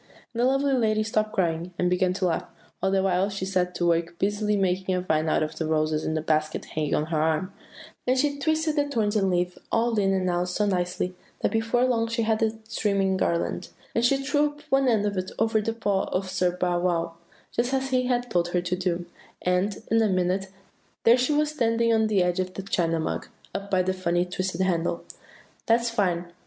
"And the lovely lady stopped crying, and began to laugh, all the while she set to work busily making a vine out of the roses in the basket hanging on her arm; and she twisted the thorns and leaves all in and out so nicely, that before long she had a streaming garland; and she threw up one end of it over the paw of Sir Bow wow, just as he had told her to do, and, in a minute, there she was standing on the edge of the China Mug, up by the funny twisted handle. "'That's fine!